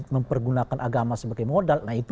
mempergunakan agama sebagai modal nah itu